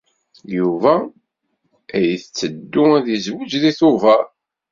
Yuba ad teddu ad yezweǧ deg Tubeṛ.